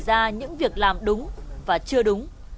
chỉ ra những việc làm đúng và chưa đúng